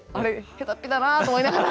へたっぴだなと思いながら。